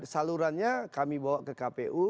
salurannya kami bawa ke kpu